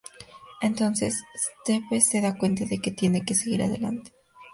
Entonces, Stephen se da cuenta de que tiene que seguir adelante.